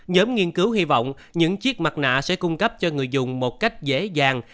nhóm nghiên cứu hy vọng những chiếc mặt nạ sẽ cung cấp cho người dùng một cách dễ dàng